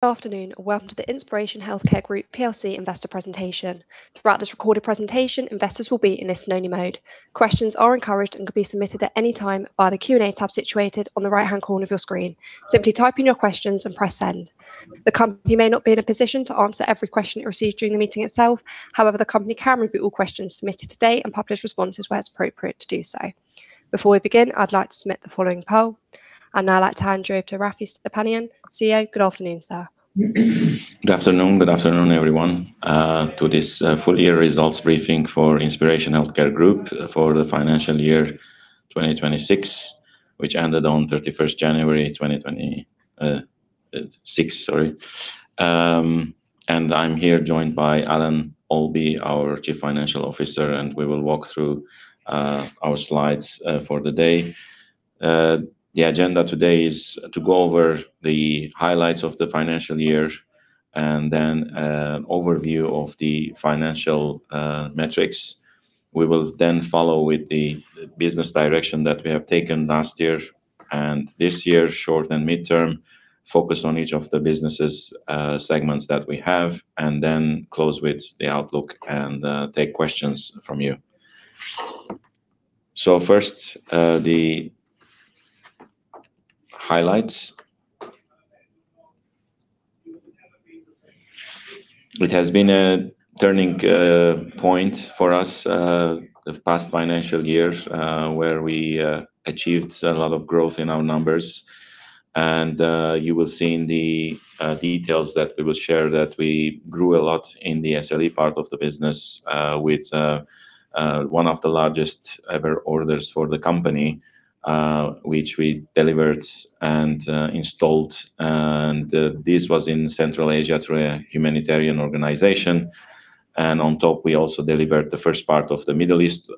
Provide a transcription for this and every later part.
Good afternoon, and welcome to the Inspiration Healthcare Group PLC investor presentation. Throughout this recorded presentation, investors will be in listen only mode. Questions are encouraged and can be submitted at any time via the Q&A tab situated on the right-hand corner of your screen. Simply type in your questions and press send. The company may not be in a position to answer every question it receives during the meeting itself. However, the company can review all questions submitted today and publish responses where it is appropriate to do so. Before we begin, I would like to submit the following poll. I would now like to hand you over to Raffi Stepanian, CEO. Good afternoon, sir. Good afternoon. Good afternoon, everyone, to this full year results briefing for Inspiration Healthcare Group for the financial year 2026, which ended on 31st January 2026. I am here joined by Alan Olby, our Chief Financial Officer, and we will walk through our slides for the day. The agenda today is to go over the highlights of the financial year and then an overview of the financial metrics. We will then follow with the business direction that we have taken last year and this year, short and midterm, focus on each of the businesses segments that we have, and then close with the outlook and take questions from you. First, the highlights. It has been a turning point for us the past financial year where we achieved a lot of growth in our numbers. You will see in the details that we will share that we grew a lot in the SLE part of the business with one of the largest ever orders for the company, which we delivered and installed. This was in Central Asia through a humanitarian organization. On top, we also delivered the first part of the Middle East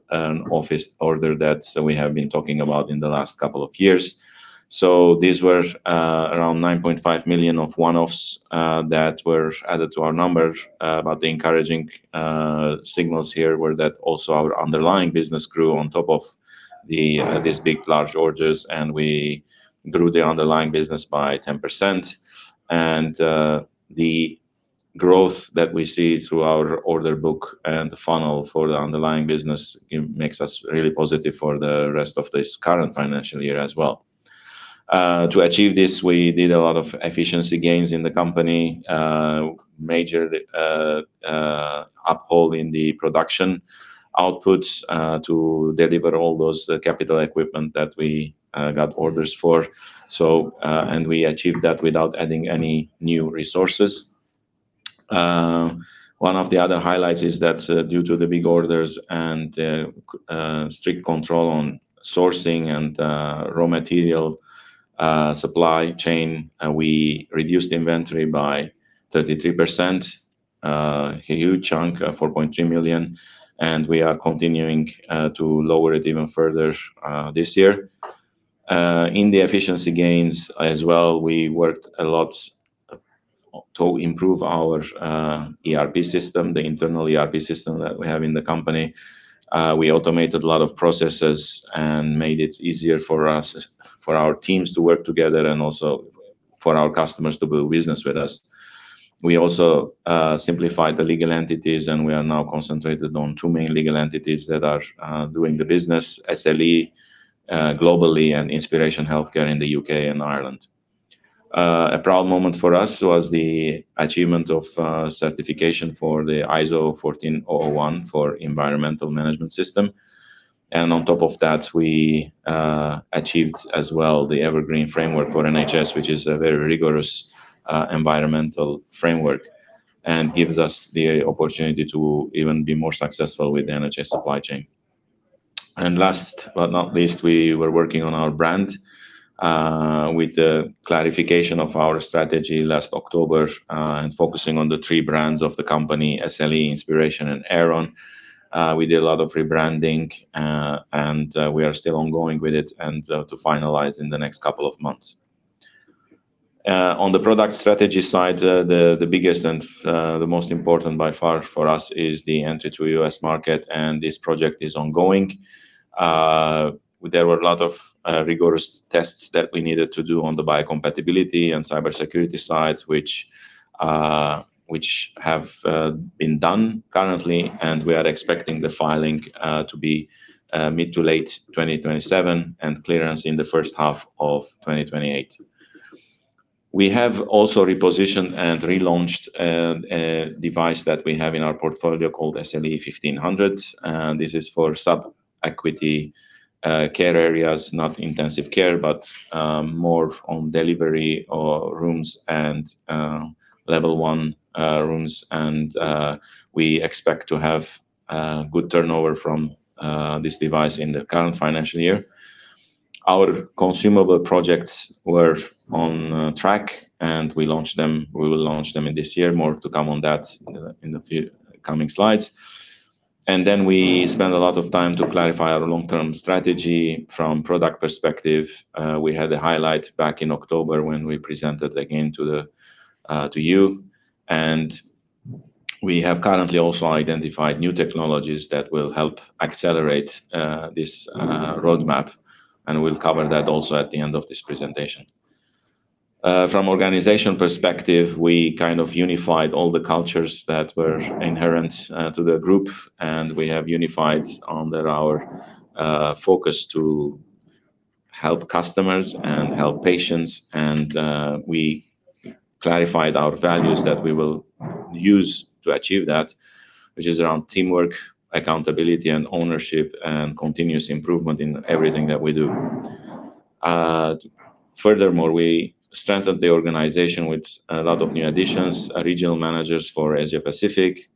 office order that we have been talking about in the last couple of years. These were around 9.5 million of one-offs that were added to our numbers. The encouraging signals here were that also our underlying business grew on top of these big, large orders, and we grew the underlying business by 10%. The growth that we see through our order book and the funnel for the underlying business makes us really positive for the rest of this current financial year as well. To achieve this, we did a lot of efficiency gains in the company. Major uphold in the production outputs to deliver all those capital equipment that we got orders for. We achieved that without adding any new resources. One of the other highlights is that due to the big orders and strict control on sourcing and raw material supply chain, we reduced the inventory by 33%, a huge chunk of 4.3 million, and we are continuing to lower it even further this year. In the efficiency gains as well, we worked a lot to improve our ERP system, the internal ERP system that we have in the company. We automated a lot of processes and made it easier for us, for our teams to work together and also for our customers to do business with us. We also simplified the legal entities. We are now concentrated on two main legal entities that are doing the business, SLE globally and Inspiration Healthcare in the U.K. and Ireland. A proud moment for us was the achievement of certification for the ISO 14001 for environmental management system. On top of that, we achieved as well the Evergreen Sustainable Supplier Assessment for NHS, which is a very rigorous environmental framework and gives us the opportunity to even be more successful with the NHS Supply Chain. Last but not least, we were working on our brand with the clarification of our strategy last October and focusing on the three brands of the company, SLE, Inspiration and Airon. We did a lot of rebranding and we are still ongoing with it and to finalize in the next couple of months. On the product strategy side the biggest and the most important by far for us is the entry to U.S. market. This project is ongoing. There were a lot of rigorous tests that we needed to do on the biocompatibility and cybersecurity side which have been done currently. We are expecting the filing to be mid to late 2027 and clearance in the first half of 2028. We have also repositioned and relaunched a device that we have in our portfolio called SLE1500. This is for sub-acute care areas, not intensive care, but more on delivery or rooms and level 1 rooms. We expect to have good turnover from this device in the current financial year. Our consumable projects were on track. We will launch them in this year. More to come on that in the coming slides. We spent a lot of time to clarify our long-term strategy from product perspective. We had a highlight back in October when we presented again to you. We have currently also identified new technologies that will help accelerate this roadmap. We'll cover that also at the end of this presentation. From organization perspective, we kind of unified all the cultures that were inherent to the group. We have unified under our focus to help customers and help patients. We clarified our values that we will use to achieve that, which is around teamwork, accountability, and ownership, and continuous improvement in everything that we do. Furthermore, we strengthened the organization with a lot of new additions. Regional managers for Asia Pacific,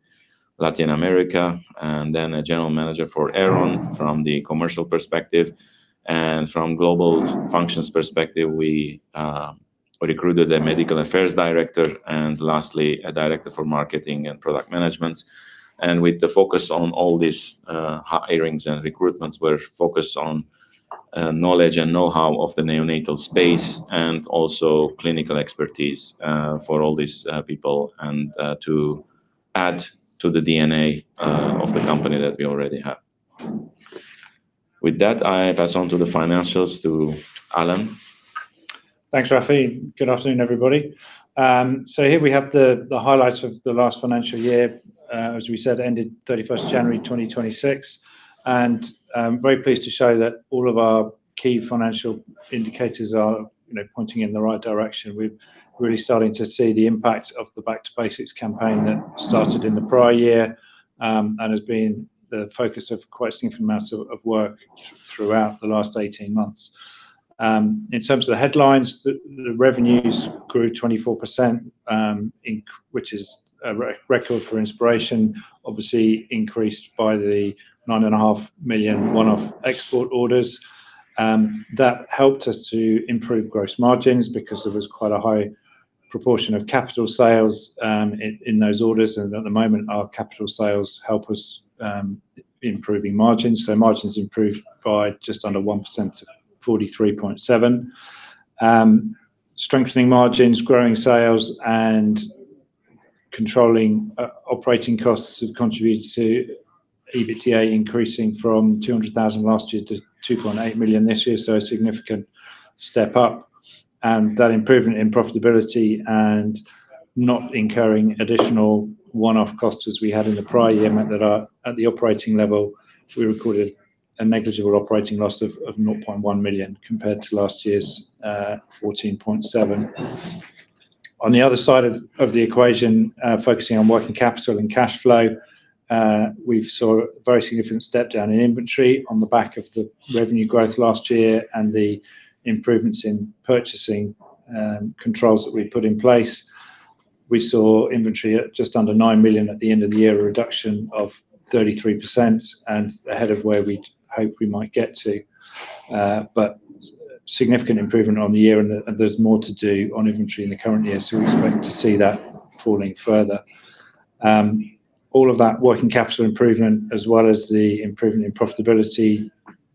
Latin America, and then a general manager for Airon from the commercial perspective. From global functions perspective, we recruited a medical affairs director. Lastly, a director for marketing and product management. With the focus on all these hirings and recruitments, we're focused on knowledge and knowhow of the neonatal space and also clinical expertise for all these people and to add to the DNA of the company that we already have. With that, I pass on to the financials to Alan. Thanks, Raffi. Good afternoon, everybody. Here we have the highlights of the last financial year, as we said, ended 31st January 2026. I'm very pleased to show that all of our key financial indicators are pointing in the right direction. We're really starting to see the impact of the Back to Basics campaign that started in the prior year, and has been the focus of quite a significant amount of work throughout the last 18 months. In terms of the headlines, the revenues grew 24%, which is a record for Inspiration Healthcare. Obviously increased by the 9.5 million one-off export orders. That helped us to improve gross margins because there was quite a high proportion of capital sales in those orders. At the moment, our capital sales help us improving margins. Margins improved by just under 1%, 43.7%. Strengthening margins, growing sales, and controlling operating costs have contributed to EBITDA increasing from 200,000 last year to 2.8 million this year. A significant step up. That improvement in profitability and not incurring additional one-off costs as we had in the prior year meant that at the operating level, we recorded a negligible operating loss of 0.1 million compared to last year's 14.7 million. On the other side of the equation, focusing on working capital and cash flow, we saw a very significant step down in inventory on the back of the revenue growth last year and the improvements in purchasing controls that we put in place. We saw inventory at just under 9 million at the end of the year, a reduction of 33% and ahead of where we'd hope we might get to. Significant improvement on the year and there's more to do on inventory in the current year, so we expect to see that falling further. All of that working capital improvement as well as the improvement in profitability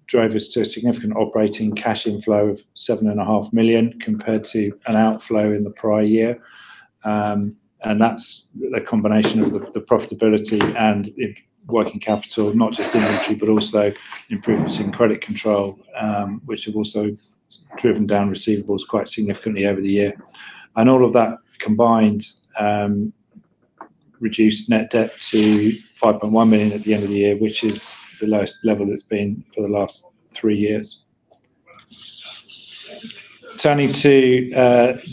drove us to a significant operating cash inflow of 7.5 million compared to an outflow in the prior year. That's a combination of the profitability and working capital, not just inventory, but also improvements in credit control, which have also driven down receivables quite significantly over the year. All of that combined reduced net debt to 5.1 million at the end of the year, which is the lowest level it's been for the last three years. Turning to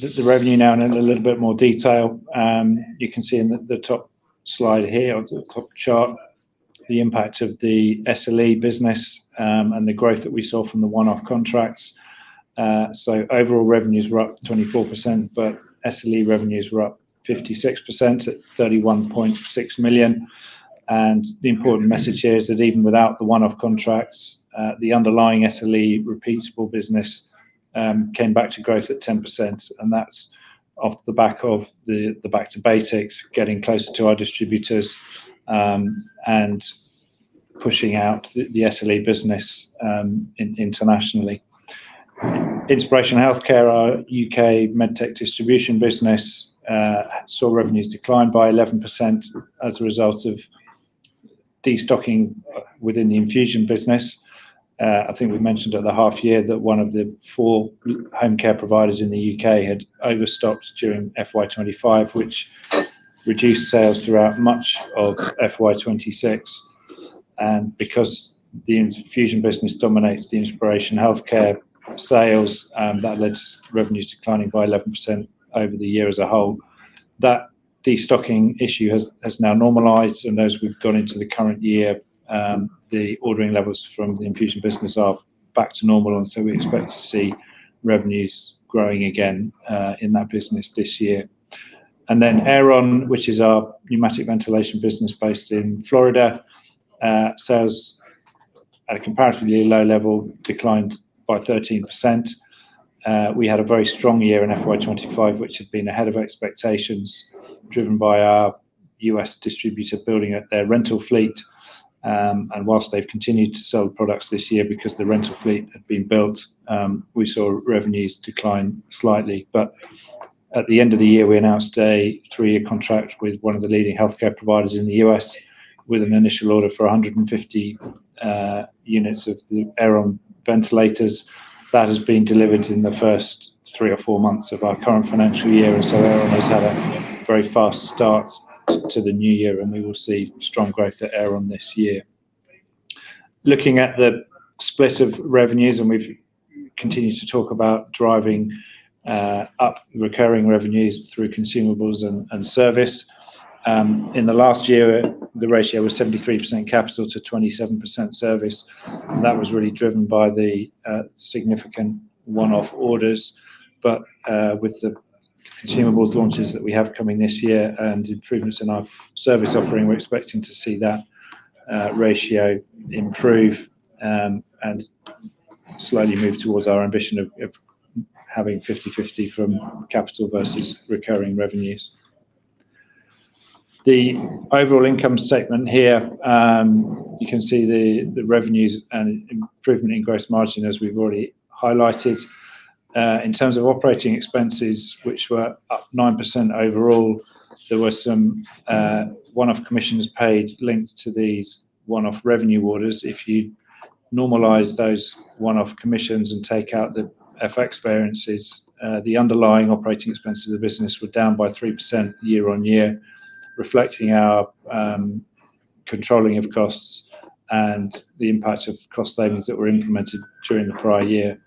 the revenue now in a little bit more detail. You can see in the top slide here or the top chart, the impact of the SLE business, and the growth that we saw from the one-off contracts. Overall revenues were up 24%, but SLE revenues were up 56% at 31.6 million. The important message here is that even without the one-off contracts, the underlying SLE repeatable business came back to growth at 10%. That's off the back of the Back to Basics, getting closer to our distributors, and pushing out the SLE business internationally. Inspiration Healthcare, our U.K. med tech distribution business, saw revenues decline by 11% as a result of de-stocking within the infusion business. I think we mentioned at the half year that one of the four home care providers in the U.K. had overstocked during FY 2025, which reduced sales throughout much of FY 2026. Because the infusion business dominates the Inspiration Healthcare sales, that led to revenues declining by 11% over the year as a whole. That destocking issue has now normalized, and as we have gone into the current year, the ordering levels from the infusion business are back to normal. So we expect to see revenues growing again, in that business this year. Airon, which is our pneumatic ventilation business based in Florida. Sales at a comparatively low level declined by 13%. We had a very strong year in FY 2025, which had been ahead of expectations driven by our U.S. distributor building up their rental fleet. While they have continued to sell products this year because the rental fleet had been built, we saw revenues decline slightly. At the end of the year, we announced a three-year contract with one of the leading healthcare providers in the U.S. with an initial order for 150 units of the Airon ventilators. That has been delivered in the first three or four months of our current financial year. So Airon has had a very fast start to the new year, and we will see strong growth at Airon this year. Looking at the split of revenues, we have continued to talk about driving up recurring revenues through consumables and service. In the last year, the ratio was 73% capital to 27% service, and that was really driven by the significant one-off orders. With the consumables launches that we have coming this year and improvements in our service offering, we are expecting to see that ratio improve, and slowly move towards our ambition of having 50/50 from capital versus recurring revenues. The overall income statement here. You can see the revenues and improvement in gross margin as we have already highlighted. In terms of operating expenses, which were up 9% overall, there were some one-off commissions paid linked to these one-off revenue orders. If you normalize those one-off commissions and take out the FX variances, the underlying operating expenses of the business were down by 3% year-over-year, reflecting our controlling of costs and the impact of cost savings that were implemented during the prior year.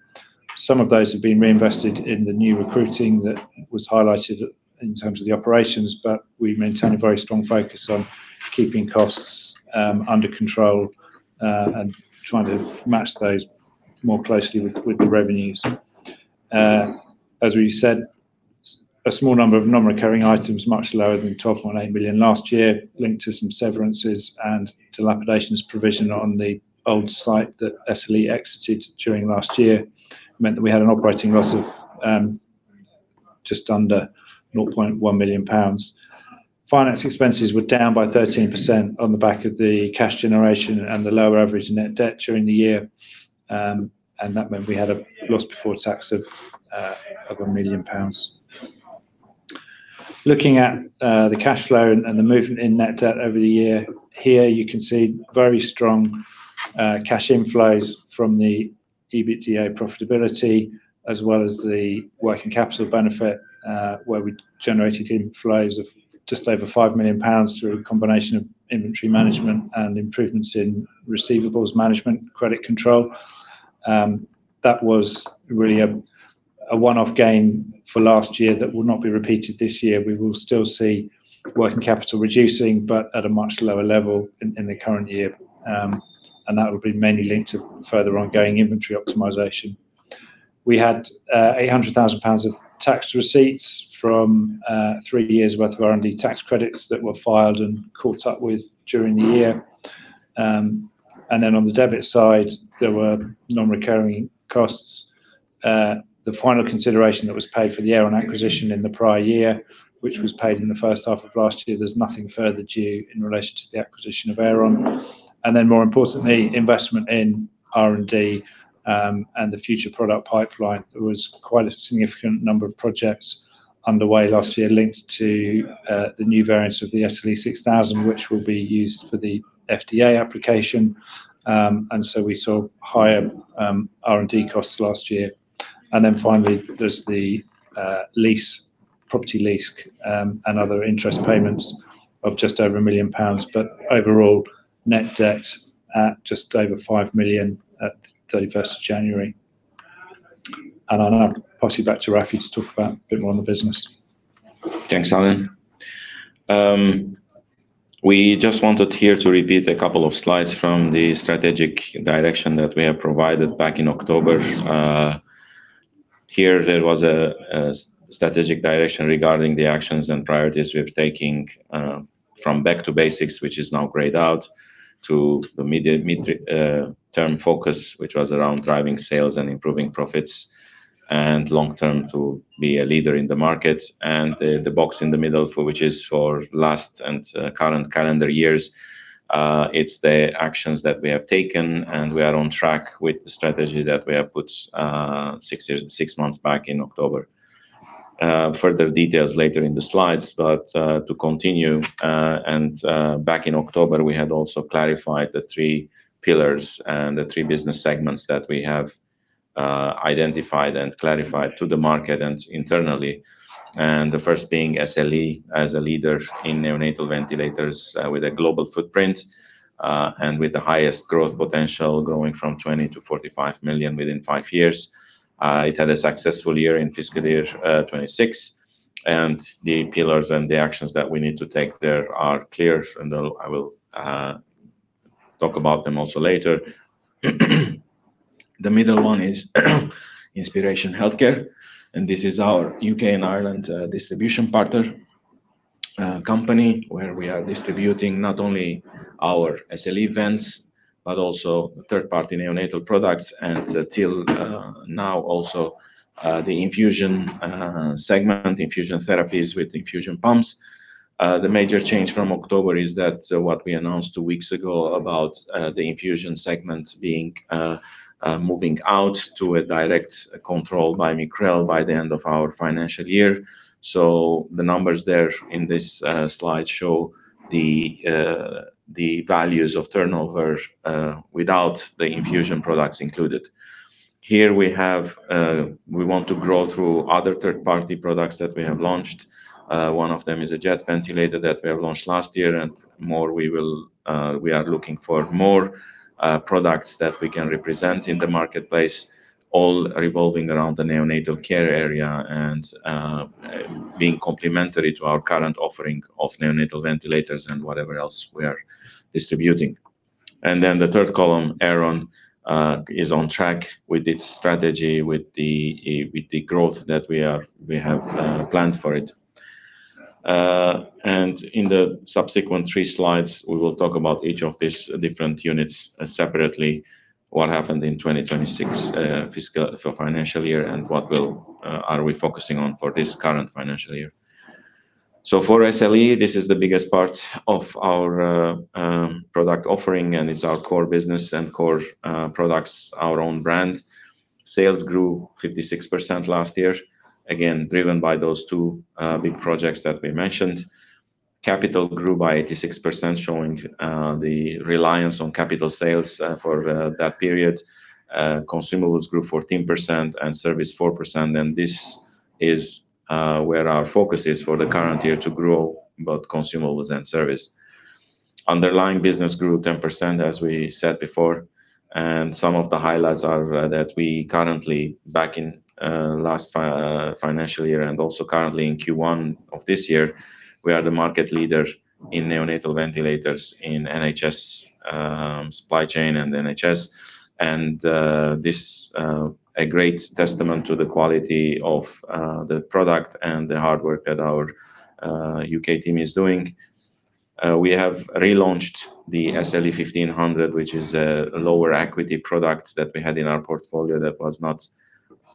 Some of those have been reinvested in the new recruiting that was highlighted in terms of the operations, but we maintain a very strong focus on keeping costs under control, and trying to match those more closely with the revenues. As we said, a small number of non-recurring items, much lower than 12.8 million last year, linked to some severances and dilapidations provision on the old site that SLE exited during last year. Meant that we had an operating loss of just under 0.1 million pounds. Finance expenses were down by 13% on the back of the cash generation and the lower average net debt during the year. That meant we had a loss before tax of over 1 million pounds. Looking at the cash flow and the movement in net debt over the year. Here you can see very strong cash inflows from the EBITDA profitability, as well as the working capital benefit, where we generated inflows of just over 5 million pounds through a combination of inventory management and improvements in receivables management, credit control. That was really a one-off gain for last year that will not be repeated this year. We will still see working capital reducing, but at a much lower level in the current year. That will be mainly linked to further ongoing inventory optimization. We had 800,000 pounds of tax receipts from three years' worth of R&D tax credits that were filed and caught up with during the year. On the debit side, there were non-recurring costs. The final consideration that was paid for the Airon acquisition in the prior year, which was paid in the first half of last year. There's nothing further due in relation to the acquisition of Airon. More importantly, investment in R&D, and the future product pipeline. There was quite a significant number of projects underway last year linked to the new variants of the SLE6000, which will be used for the FDA application. So we saw higher R&D costs last year. Finally, there's the property lease, and other interest payments of just over 1 million pounds. Overall, net debt at just over 5 million at 31st of January. I now pass you back to Raffi to talk about a bit more on the business. Thanks, Alan. We just wanted here to repeat a couple of slides from the strategic direction that we have provided back in October. Here there was a strategic direction regarding the actions and priorities we're taking, from Back to Basics, which is now grayed out, to the mid-term focus, which was around driving sales and improving profits, and long-term to be a leader in the market. The box in the middle which is for last and current calendar years. It's the actions that we have taken, and we are on track with the strategy that we have put six months back in October. Further details later in the slides, but to continue, and back in October, we had also clarified the three pillars and the three business segments that we have identified and clarified to the market and internally. The first being SLE as a leader in neonatal ventilators with a global footprint, and with the highest growth potential, growing from 20 million to 45 million within five years. It had a successful year in FY 2026. The pillars and the actions that we need to take there are clear, and I will talk about them also later. The middle one is Inspiration Healthcare, and this is our U.K. and Ireland distribution partner company where we are distributing not only our SLE vents but also third-party neonatal products and till now, also the infusion segment, infusion therapies with infusion pumps. The major change from October is that what we announced two weeks ago about the infusion segment moving out to a direct control by Micrel by the end of our financial year. The numbers there in this slide show the values of turnover without the infusion products included. Here we want to grow through other third-party products that we have launched. One of them is a jet ventilator that we have launched last year and we are looking for more products that we can represent in the marketplace, all revolving around the neonatal care area and being complementary to our current offering of neonatal ventilators and whatever else we are distributing. The third column, Airon, is on track with its strategy, with the growth that we have planned for it. In the subsequent three slides, we will talk about each of these different units separately, what happened in FY 2026, and what are we focusing on for this current financial year. For SLE, this is the biggest part of our product offering, and it's our core business and core products, our own brand. Sales grew 56% last year, again, driven by those two big projects that we mentioned. Capital grew by 86%, showing the reliance on capital sales for that period. Consumables grew 14% and service 4%. This is where our focus is for the current year to grow both consumables and service. Underlying business grew 10%, as we said before, some of the highlights are that we currently, back in last financial year and also currently in Q1 of this year, we are the market leader in neonatal ventilators in NHS Supply Chain and NHS. This a great testament to the quality of the product and the hard work that our U.K. team is doing. We have relaunched the SLE1500, which is a lower acuity product that we had in our portfolio that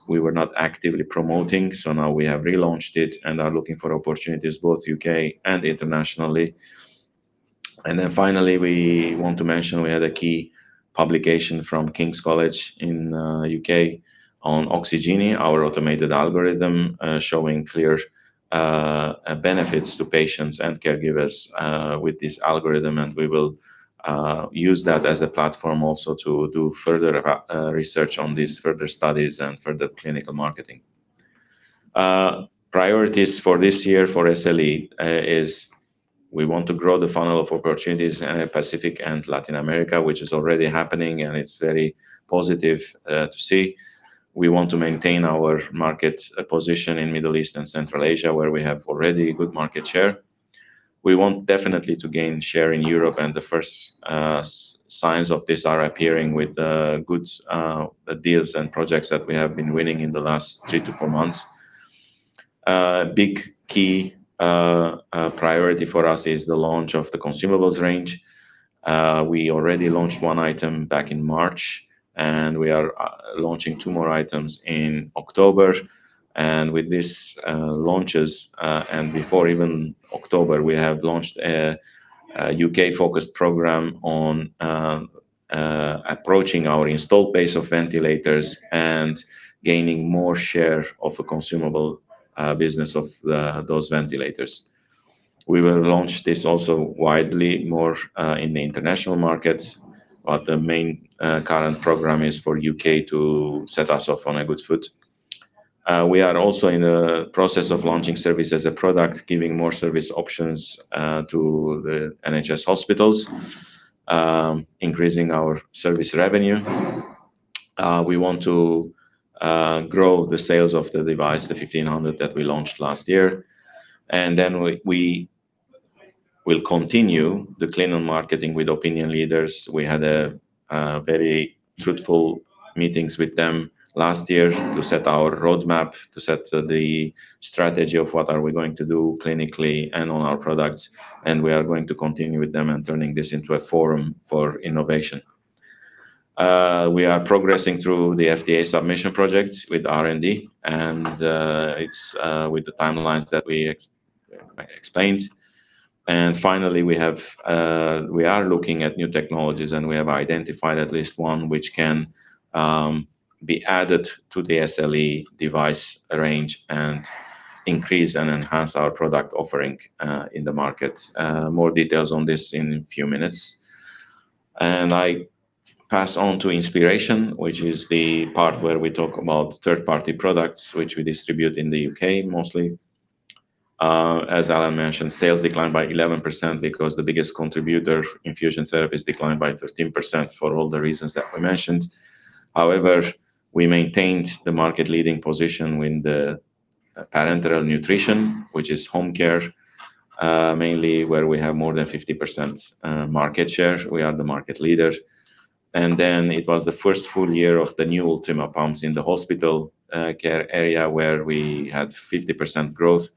we were not actively promoting. Now we have relaunched it and are looking for opportunities, both U.K. and internationally. Finally, we want to mention we had a key publication from King's College in U.K. on OxyGenie, our automated algorithm, showing clear benefits to patients and caregivers with this algorithm. We will use that as a platform also to do further research on these further studies and further clinical marketing. Priorities for this year for SLE is we want to grow the funnel of opportunities in Pacific and Latin America, which is already happening, and it's very positive to see. We want to maintain our market position in Middle East and Central Asia, where we have already good market share. We want definitely to gain share in Europe, the first signs of this are appearing with good deals and projects that we have been winning in the last three to four months. A big key priority for us is the launch of the consumables range. We already launched one item back in March, and we are launching two more items in October. With these launches, and before even October, we have launched a U.K.-focused program on approaching our installed base of ventilators and gaining more share of the consumable business of those ventilators. We will launch this also widely more in the international markets, but the main current program is for U.K. to set us off on a good foot. We are also in the process of launching service as a product, giving more service options to the NHS hospitals, increasing our service revenue. We want to grow the sales of the device, the SLE1500 that we launched last year. We will continue the clinical marketing with opinion leaders. We had very fruitful meetings with them last year to set our roadmap, to set the strategy of what are we going to do clinically and on our products. We are going to continue with them and turning this into a forum for innovation. We are progressing through the FDA submission project with R&D, and it's with the timelines that we explained. Finally, we are looking at new technologies, and we have identified at least one which can be added to the SLE device range and increase and enhance our product offering in the market. More details on this in a few minutes. I pass on to Inspiration Healthcare, which is the part where we talk about third-party products, which we distribute in the U.K. mostly. As Alan mentioned, sales declined by 11% because the biggest contributor, infusion therapies, declined by 13% for all the reasons that we mentioned. However, we maintained the market-leading position in the parenteral nutrition, which is home care, mainly where we have more than 50% market share. We are the market leader. It was the first full year of the new Rythmic Ultima pumps in the hospital care area where we had 50% growth.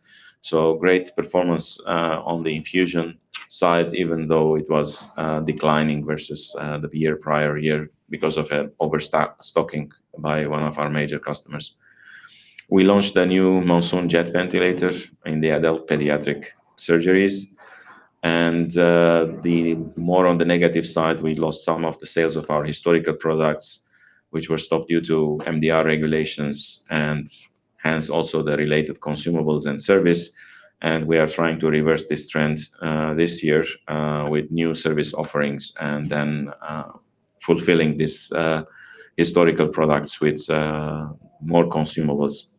Great performance on the infusion side, even though it was declining versus the prior year because of an overstock stocking by one of our major customers. We launched a new Monsoon Jet ventilator in the adult pediatric surgeries. More on the negative side, we lost some of the sales of our historical products, which were stopped due to MDR regulations and hence also the related consumables and service. We are trying to reverse this trend this year with new service offerings and then fulfilling these historical products with more consumables.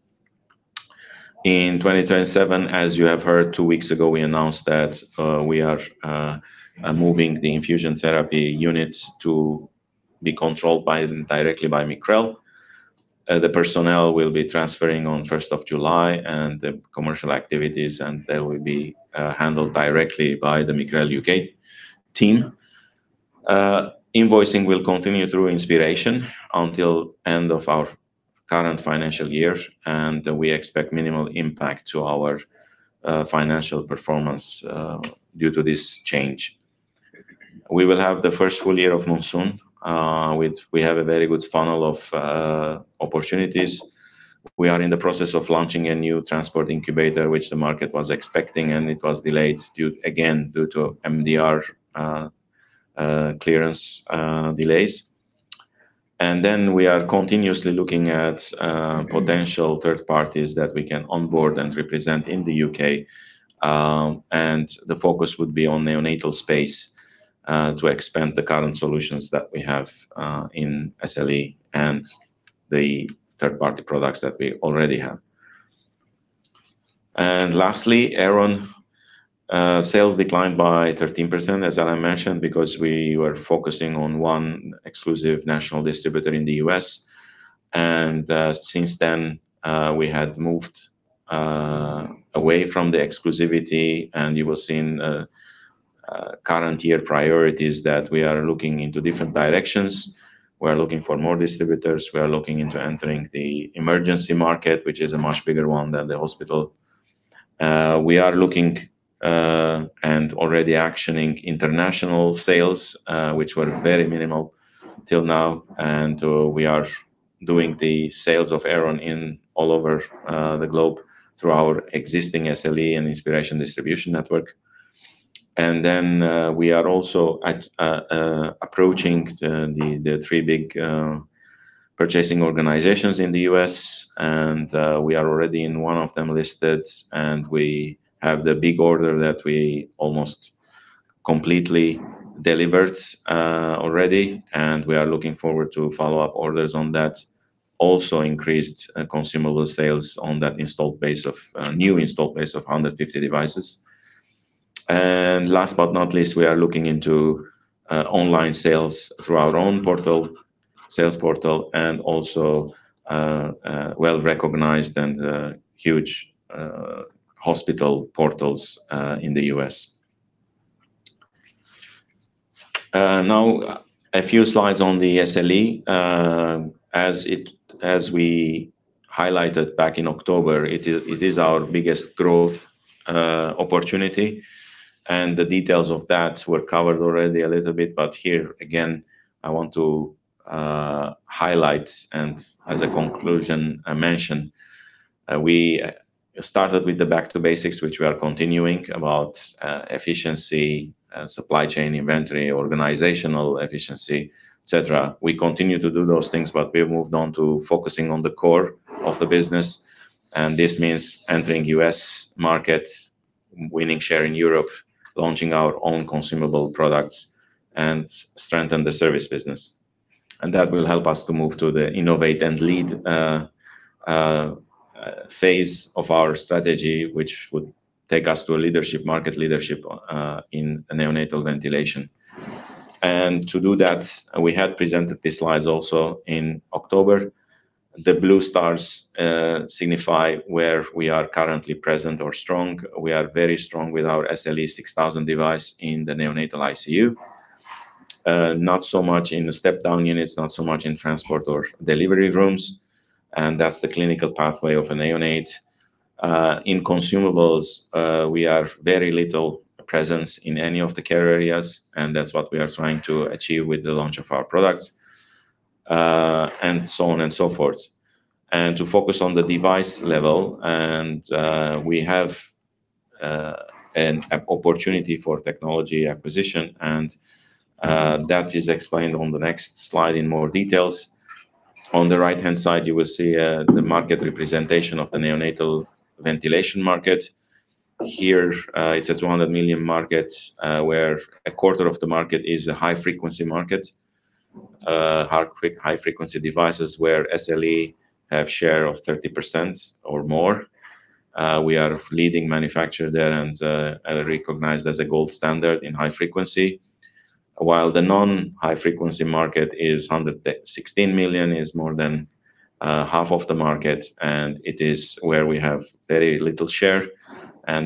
In 2027, as you have heard, two weeks ago, we announced that we are moving the infusion therapy units to be controlled directly by Micrel. The personnel will be transferring on 1st of July and the commercial activities. They will be handled directly by the Micrel U.K. team. Invoicing will continue through Inspiration Healthcare until end of our current financial year. We expect minimal impact to our financial performance due to this change. We will have the first full year of Monsoon. We have a very good funnel of opportunities. We are in the process of launching a new transport incubator, which the market was expecting, and it was delayed, again, due to MDR clearance delays. We are continuously looking at potential third parties that we can onboard and represent in the U.K. The focus would be on neonatal space to expand the current solutions that we have in SLE and the third-party products that we already have. Lastly, Airon. Sales declined by 13%, as Alan mentioned, because we were focusing on one exclusive national distributor in the U.S. Since then, we had moved away from the exclusivity, and you will see in current year priorities that we are looking into different directions. We are looking for more distributors. We are looking into entering the emergency market, which is a much bigger one than the hospital. We are looking and already actioning international sales, which were very minimal till now. We are doing the sales of Airon all over the globe through our existing SLE and Inspiration distribution network. We are also approaching the three big purchasing organizations in the U.S., and we are already in one of them listed, and we have the big order that we almost completely delivered already, and we are looking forward to follow-up orders on that. Also increased consumable sales on that new installed base of 150 devices. Last but not least, we are looking into online sales through our own sales portal and also well-recognized and huge hospital portals in the U.S. A few slides on the SLE. As we highlighted back in October, it is our biggest growth opportunity, and the details of that were covered already a little bit, but here again, I want to highlight and as a conclusion, mention. We started with the Back to Basics, which we are continuing about efficiency, supply chain inventory, organizational efficiency, et cetera. We continue to do those things, but we moved on to focusing on the core of the business. This means entering U.S. markets, winning share in Europe, launching our own consumable products, and strengthen the service business. That will help us to move to the innovate and lead phase of our strategy, which would take us to a market leadership in neonatal ventilation. To do that, we had presented these slides also in October. The blue stars signify where we are currently present or strong. We are very strong with our SLE6000 device in the neonatal ICU. Not so much in the step-down units, not so much in transport or delivery rooms, and that's the clinical pathway of a neonate. In consumables, we are very little presence in any of the care areas, and that's what we are trying to achieve with the launch of our products, and so on and so forth. To focus on the device level, we have an opportunity for technology acquisition, and that is explained on the next slide in more details. On the right-hand side, you will see the market representation of the neonatal ventilation market. Here, it's a 200 million market where a quarter of the market is a high-frequency market. Hard quick, high-frequency devices where SLE have share of 30% or more. We are leading manufacturer there and recognized as a gold standard in high-frequency. The non-high-frequency market is 116 million, is more than half of the market. It is where we have very little share.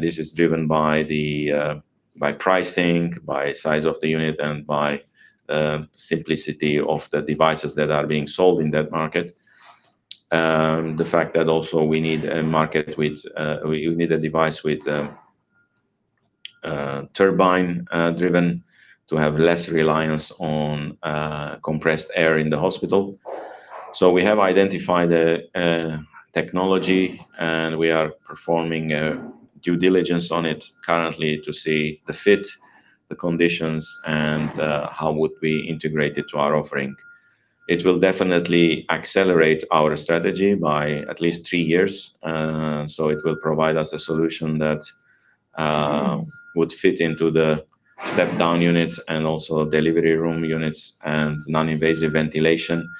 This is driven by pricing, by size of the unit, and by simplicity of the devices that are being sold in that market. The fact that also we need a device with turbine-driven to have less reliance on compressed air in the hospital. We have identified a technology, and we are performing a due diligence on it currently to see the fit, the conditions, and how would we integrate it to our offering. It will definitely accelerate our strategy by at least three years. It will provide us a solution that would fit into the step-down units and also delivery room units and non-invasive ventilation.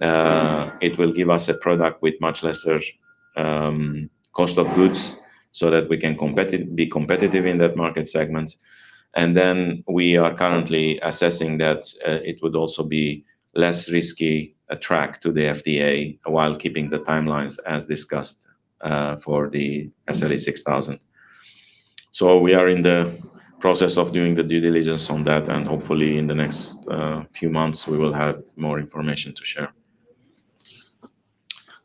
It will give us a product with much lesser cost of goods so that we can be competitive in that market segment. We are currently assessing that it would also be less risky a track to the FDA, while keeping the timelines as discussed for the SLE6000. We are in the process of doing the due diligence on that, and hopefully, in the next few months, we will have more information to share.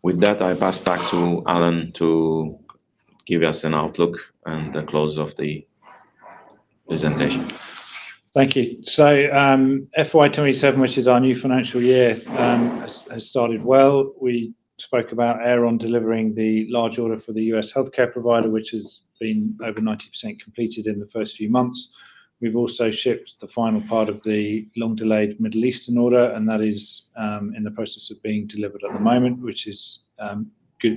With that, I pass back to Alan to give us an outlook and the close of the presentation. Thank you. FY 2027, which is our new financial year, has started well. We spoke about Airon delivering the large order for the U.S. healthcare provider, which has been over 90% completed in the first few months. We've also shipped the final part of the long-delayed Middle Eastern order, and that is in the process of being delivered at the moment, which is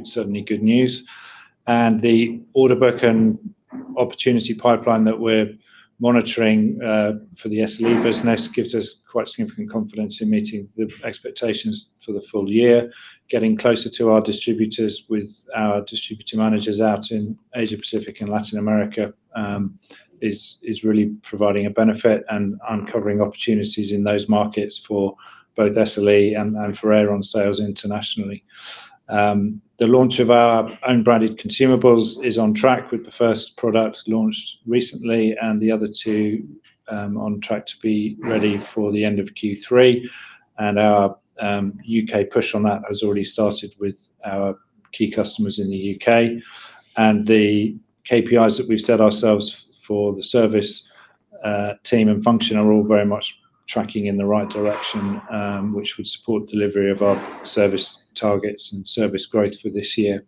certainly good news. The order book and opportunity pipeline that we're monitoring for the SLE business gives us quite significant confidence in meeting the expectations for the full year. Getting closer to our distributors with our distributor managers out in Asia-Pacific and Latin America is really providing a benefit and uncovering opportunities in those markets for both SLE and for Airon sales internationally. The launch of our own branded consumables is on track, with the first product launched recently and the other two on track to be ready for the end of Q3. Our U.K. push on that has already started with our key customers in the U.K. The KPIs that we've set ourselves for the service team and function are all very much tracking in the right direction, which would support delivery of our service targets and service growth for this year.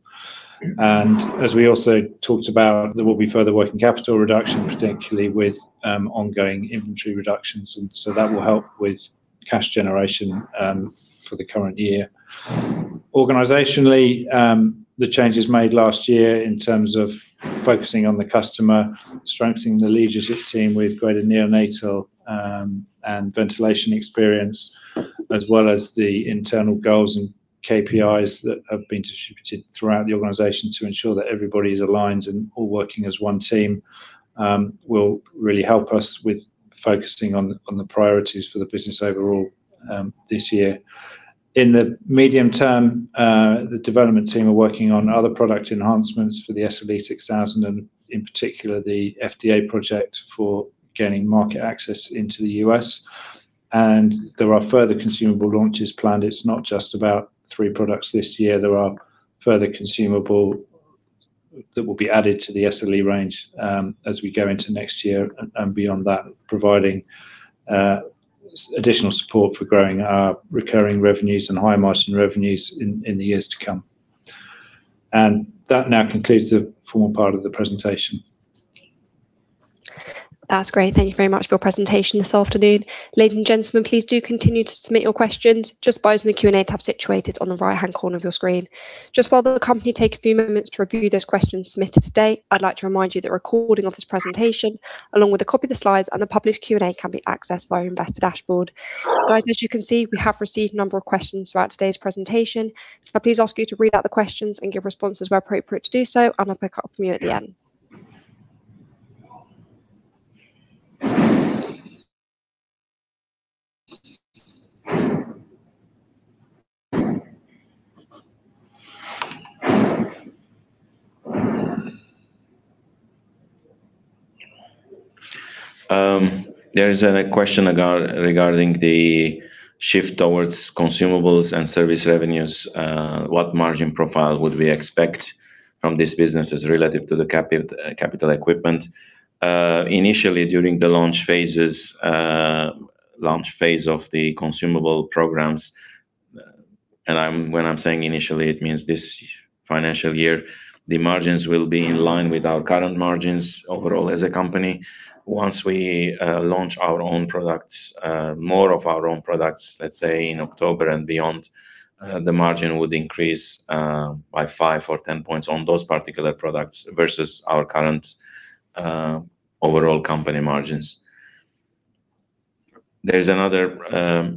As we also talked about, there will be further working capital reduction, particularly with ongoing inventory reductions, that will help with cash generation for the current year. Organizationally, the changes made last year in terms of focusing on the customer, strengthening the leadership team with greater neonatal and ventilation experience. As well as the internal goals and KPIs that have been distributed throughout the organization to ensure that everybody is aligned and all working as one team, will really help us with focusing on the priorities for the business overall this year. In the medium term, the development team are working on other product enhancements for the SLE6000, and in particular, the FDA project for gaining market access into the U.S. There are further consumable launches planned. It's not just about three products this year. There are further consumable that will be added to the SLE range as we go into next year and beyond that, providing additional support for growing our recurring revenues and high-margin revenues in the years to come. That now concludes the formal part of the presentation. That's great. Thank you very much for your presentation this afternoon. Ladies and gentlemen, please do continue to submit your questions just by using the Q&A tab situated on the right-hand corner of your screen. Just while the company take a few moments to review those questions submitted today, I'd like to remind you that a recording of this presentation, along with a copy of the slides and the published Q&A, can be accessed via your investor dashboard. Guys, as you can see, we have received a number of questions throughout today's presentation. Can I please ask you to read out the questions and give responses where appropriate to do so, and I'll pick up from you at the end. There is a question regarding the shift towards consumables and service revenues. What margin profile would we expect from these businesses relative to the capital equipment? Initially, during the launch phase of the consumable programs, and when I'm saying initially, it means this financial year, the margins will be in line with our current margins overall as a company. Once we launch our own products, more of our own products, let's say in October and beyond, the margin would increase by 5 or 10 points on those particular products versus our current overall company margins. There is another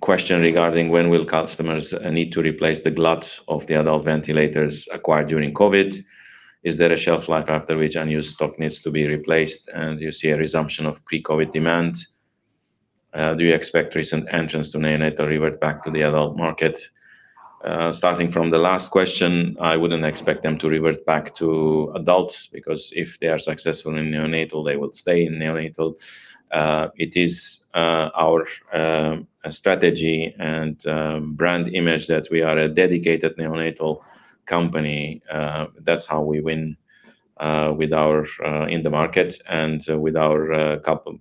question regarding when will customers need to replace the glut of the adult ventilators acquired during COVID. Is there a shelf life after which unused stock needs to be replaced, and do you see a resumption of pre-COVID demand? Do you expect recent entrants to neonatal revert back to the adult market? Starting from the last question, I wouldn't expect them to revert back to adults, because if they are successful in neonatal, they will stay in neonatal. It is our strategy and brand image that we are a dedicated neonatal company. That's how we win in the market and with our couple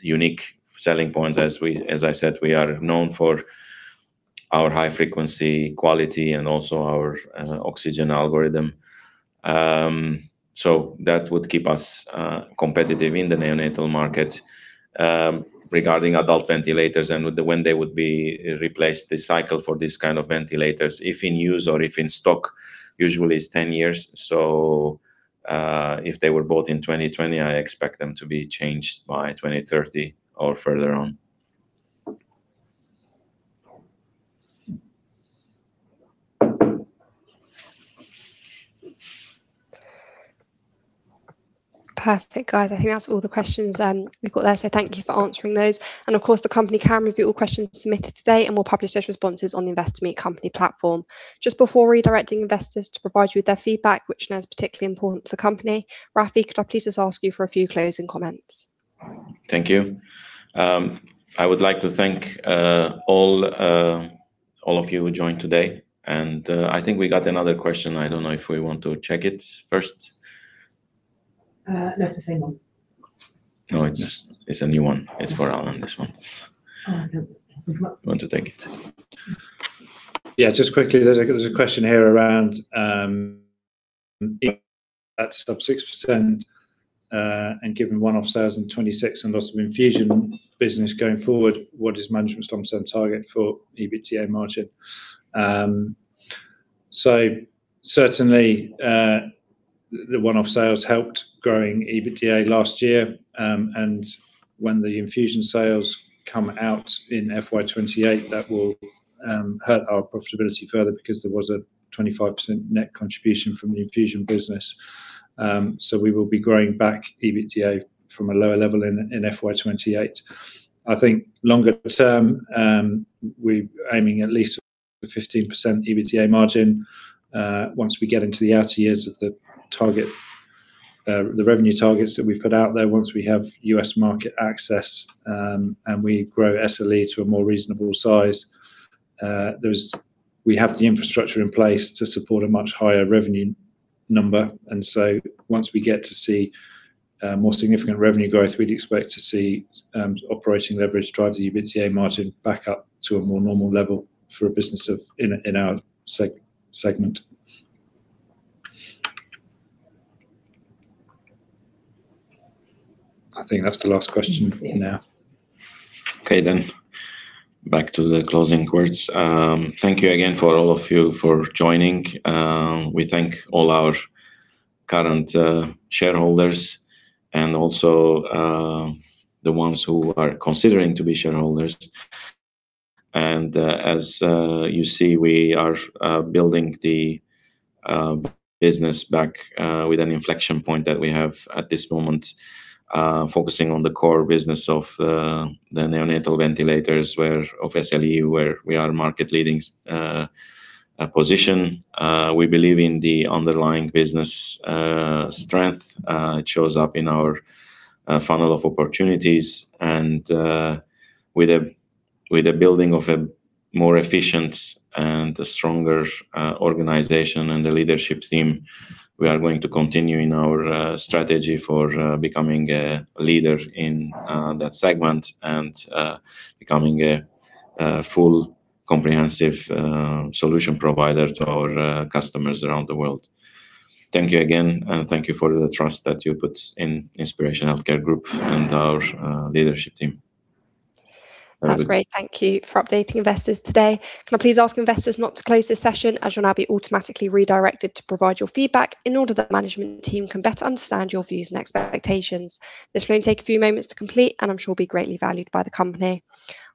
unique selling points. As I said, we are known for our high-frequency, quality, and also our oxygen algorithm. That would keep us competitive in the neonatal market. Regarding adult ventilators and when they would be replaced, the cycle for these kind of ventilators, if in use or if in stock, usually is 10 years. If they were bought in 2020, I expect them to be changed by 2030 or further on. Perfect. Guys, I think that's all the questions we've got there, so thank you for answering those. Of course, the company can review all questions submitted today, and we'll publish those responses on the Investor Meet Company platform. Just before redirecting investors to provide you with their feedback, which I know is particularly important to the company, Raffi, could I please just ask you for a few closing comments? Thank you. I would like to thank all of you who joined today. I think we got another question. I don't know if we want to check it first. No, it's the same one. No, it's a new one. It's for Alan, this one. Oh, okay. Want to take it. Just quickly, there's a question here around EBITDA at sub 6% and given one-off sales in 2026 and loss of infusion business going forward, what is management's long-term target for EBITDA margin? Certainly, the one-off sales helped growing EBITDA last year. When the infusion sales come out in FY 2028, that will hurt our profitability further because there was a 25% net contribution from the infusion business. We will be growing back EBITDA from a lower level in FY 2028. I think longer term, we're aiming at least a 15% EBITDA margin. Once we get into the outer years of the revenue targets that we've put out there, once we have U.S. market access, and we grow SLE to a more reasonable size, we have the infrastructure in place to support a much higher revenue number. Once we get to see more significant revenue growth, we'd expect to see operating leverage drive the EBITDA margin back up to a more normal level for a business in our segment. I think that's the last question for now. Okay. Back to the closing words. Thank you again, all of you, for joining. We thank all our current shareholders and also the ones who are considering to be shareholders. As you see, we are building the business back with an inflection point that we have at this moment, focusing on the core business of the neonatal ventilators of SLE, where we are market-leading position. We believe in the underlying business strength. It shows up in our funnel of opportunities. With the building of a more efficient and a stronger organization and the leadership team, we are going to continue in our strategy for becoming a leader in that segment and becoming a full comprehensive solution provider to our customers around the world. Thank you again, and thank you for the trust that you put in Inspiration Healthcare Group and our leadership team. That's great. Thank you for updating investors today. Can I please ask investors not to close this session, as you'll now be automatically redirected to provide your feedback in order that management team can better understand your views and expectations. This will only take a few moments to complete, and I'm sure will be greatly valued by the company.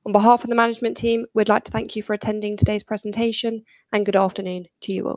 On behalf of the management team, we'd like to thank you for attending today's presentation, and good afternoon to you all.